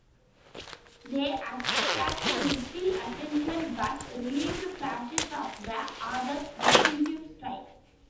They attracted little attention but revealed flashes of the author's distinctive style.